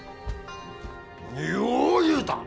よう言うた！